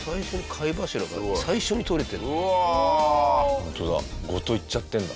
ホントだ。